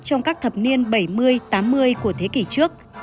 trong các thập niên bảy mươi tám mươi của thế kỷ trước